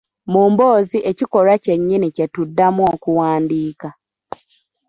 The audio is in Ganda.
Mu mboozi ekikolwa kye nnyini kye tuddamu okuwandiika